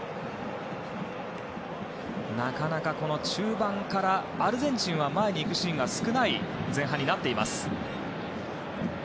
なかなか中盤からアルゼンチンは前に行くシーンが少ない前半になっています。